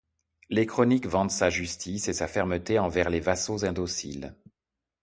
Les chroniques vantent sa justice et sa fermeté envers les vassaux indociles.